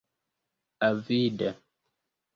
Avide.